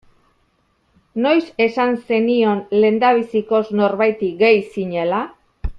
Noiz esan zenion lehendabizikoz norbaiti gay zinela.